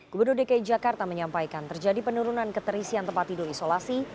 gubernur dki jakarta menyampaikan terjadi penurunan keterisian tempat tidur isolasi